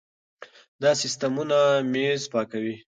دا سیستمونه مېز پاکوي.